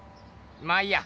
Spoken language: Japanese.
まあいいや。